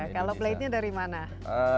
kalau plate nya dari mana